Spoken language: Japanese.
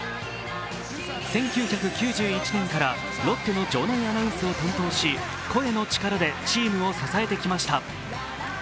１９９１年からロッテの場内アナウンスを担当し声の力でチームを支えてきました。